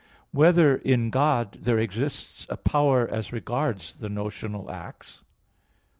(4) Whether in God there exists a power as regards the notional acts?